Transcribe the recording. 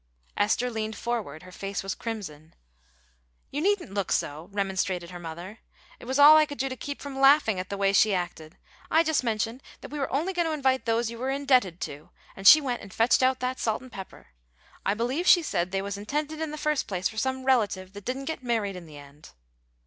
Esther leaned forward; her face was crimson. "You needn't look so," remonstrated her mother. "It was all I could do to keep from laughing at the way she acted. I just mentioned that we were only goin' to invite those you were indebted to, and she went and fetched out that salt and pepper. I believe she said they was intended in the first place for some relative that didn't git married in the end."